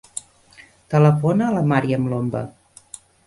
Telefona a la Màriam Lomba.